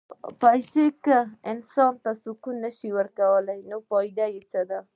پېسې که انسان ته سکون نه شي ورکولی، نو فایده یې څه ده؟